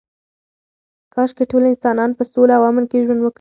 کاشکې ټول انسانان په سوله او امن کې ژوند وکړي.